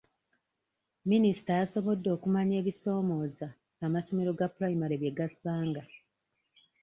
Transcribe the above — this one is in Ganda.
Minisita yasobodde okumanya ebisoomooza amasomero ga pulayimale bye gasanga.